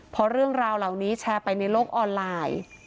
พอเรื่องราวเหล่านี้แชร์ไปในโลกออนไลน์